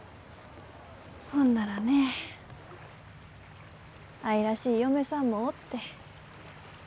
ほんならね愛らしい嫁さんもおって。